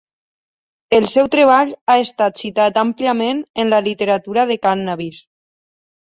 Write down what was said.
El seu treball ha estat citat àmpliament en la literatura de cànnabis.